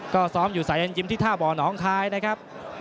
ก็ซ้อมอยู่สายันยิ้มที่ท่าบ่อน้องคายนะครับ